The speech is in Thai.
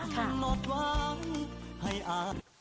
ค่ะ